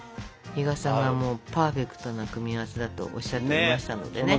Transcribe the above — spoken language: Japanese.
比嘉さんがもうパーフェクトな組み合わせだとおっしゃっていましたのでね。